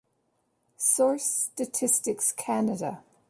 "Source Statistics Canada"